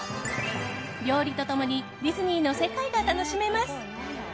料理と共にディズニーの世界が楽しめます。